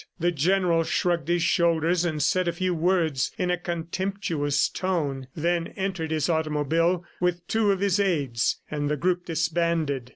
The general shrugged his shoulders and said a few words in a contemptuous tone, then entered his automobile with two of his aids, and the group disbanded.